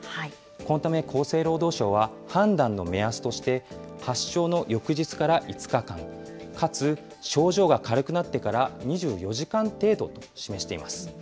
このため、厚生労働省は判断の目安として、発症の翌日から５日間、かつ症状が軽くなってから２４時間程度と示しています。